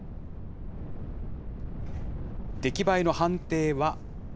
出来栄えの判定は。